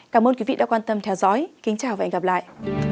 cảm ơn quý vị đã quan tâm theo dõi kính chào và hẹn gặp lại